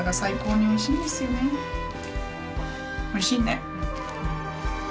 おいしいね。